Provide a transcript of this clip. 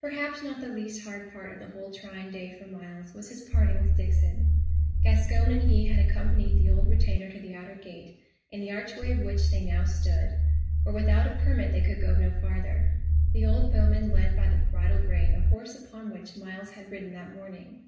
Perhaps not the least hard part of the whole trying day for Myles was his parting with Diccon. Gascoyne and he had accompanied the old retainer to the outer gate, in the archway of which they now stood; for without a permit they could go no farther. The old bowman led by the bridle rein the horse upon which Myles had ridden that morning.